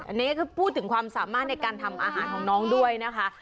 อันนี้คือพูดถึงความสามารถในการทำอาหารของน้องด้วยนะคะ